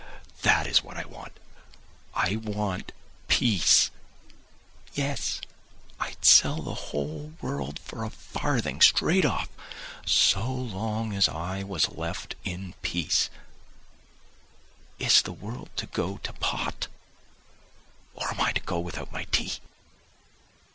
That is what I want. I want peace; yes, I'd sell the whole world for a farthing, straight off, so long as I was left in peace. Is the world to go to pot, or am I to go without my tea?